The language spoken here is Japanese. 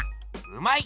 うまい！